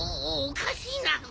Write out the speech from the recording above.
おかしいな。